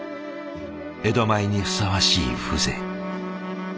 江戸前にふさわしい風情。